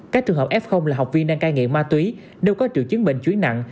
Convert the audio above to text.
các trường hợp f là học viên đang cai nghiện ma túy đâu có triệu chứng bệnh chuyến nặng